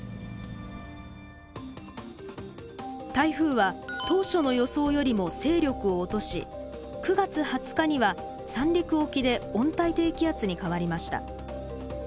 台風は当初の予想よりも勢力を落とし９月２０日には三陸沖で温帯低気圧に変わりました。